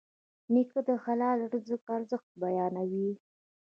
نیکه د حلال رزق ارزښت بیانوي.